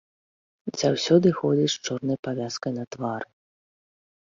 Заўсёды ходзіць з чорнай павязкай на твары.